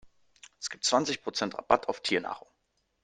Es gibt zwanzig Prozent Rabatt auf Tiernahrung.